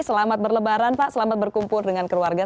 selamat berlebaran pak selamat berkumpul dengan keluarga